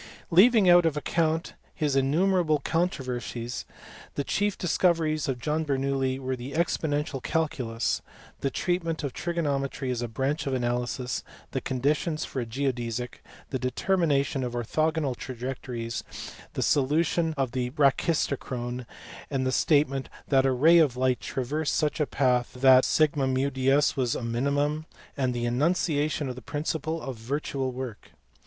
Leaving out of account his innumerable controversies, the chief discoveries of John Bernoulli were the exponential cal culus, the treatment of trigonometry as a branch of analysis, the conditions for a geodesic, the determination of orthogonal trajectories, the solution of the brachistochrone, the statement that a ray of light traversed such a path that ^ds was a minimum, and the enunciation of the principle of virtual work.